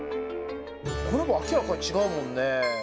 これ、明らかに違うもんねぇ。